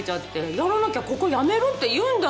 やらなきゃここ辞めるって言うんだもの。